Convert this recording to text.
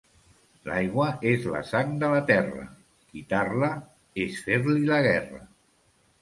L'aigua és la sang de la terra; quitar-la és fer-li la guerra.